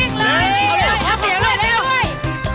เอาของเพื่อนไปด้วย